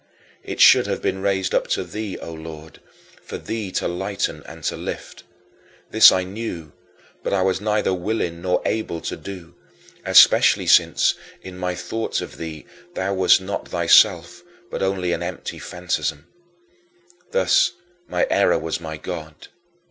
It should have been raised up to thee, O Lord, for thee to lighten and to lift. This I knew, but I was neither willing nor able to do; especially since, in my thoughts of thee, thou wast not thyself but only an empty fantasm. Thus my error was my god.